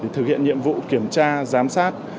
thực hiện nhiệm vụ kiểm tra giám sát